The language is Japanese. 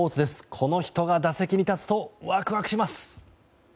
この人が打席に立つとワクワクします。